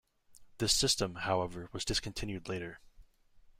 This system, however, was discontinued later.